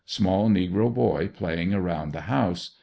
Small negro boy playing around the house.